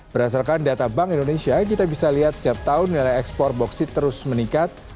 berdasarkan data bank indonesia kita bisa lihat setiap tahun nilai ekspor boksit terus meningkat